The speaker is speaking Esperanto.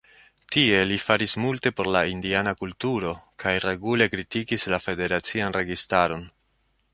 Tie li faris multe por la indiana kulturo kaj regule kritikis la federacian registaron.